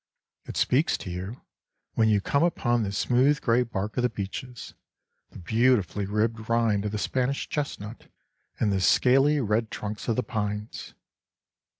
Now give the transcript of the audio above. It speaks to you when you come upon the smooth grey bark of the beeches, the beautifully ribbed rind of the Spanish chestnut, and the scaly, red trunks of the pines.